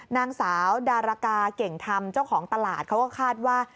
นางสาวดารกาเก่งธรรมเจ้าของตลาดเขาก็คาดว่า